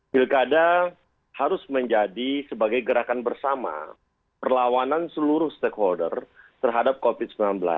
pilkada harus menjadi sebagai gerakan bersama perlawanan seluruh stakeholder terhadap covid sembilan belas